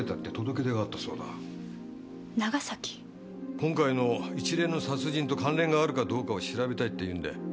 今回の一連の殺人と関連があるかどうかを調べたいって言うんで。